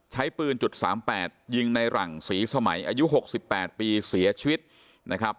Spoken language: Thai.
ใช้ปืนจุด๓๘ยิงในหลังศรีสมัยอายุ๖๘ปีเสียชีวิตนะครับ